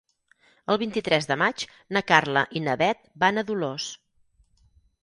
El vint-i-tres de maig na Carla i na Bet van a Dolors.